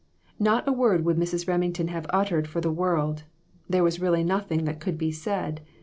Not a word would Mrs. Remington have uttered for the world. There was really nothing that could be said.